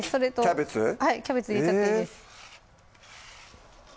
キャベツキャベツ入れちゃっていいです